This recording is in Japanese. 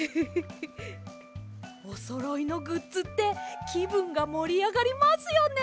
おそろいのグッズってきぶんがもりあがりますよね！